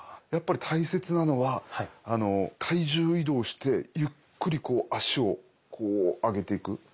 やっぱり大切なのは体重移動してゆっくり足をこう上げていく。